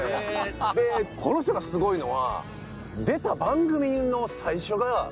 でこの人がすごいのは。